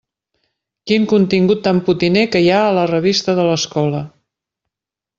Quin contingut tan potiner que hi ha a la revista de l'escola!